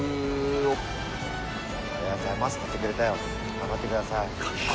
頑張ってください。